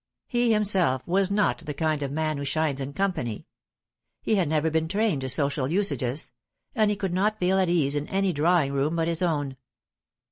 He himself was not the kind of man who shines in company. He had never been trained to social usages, and he could not feel at ease in any drawing room but his own.